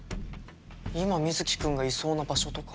今水城君がいそうな場所とか。